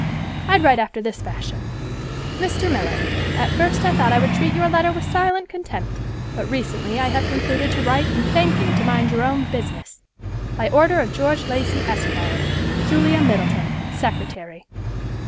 I'd write after this fashion: 'Mr. Miller—At first I thought I would treat your letter with silent contempt, but recently I have concluded to write and thank you to mind your own business. By order of George Lacey, Esq.—Julia Middleton, Secretary.